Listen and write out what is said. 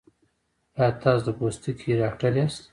ایا تاسو د پوستکي ډاکټر یاست؟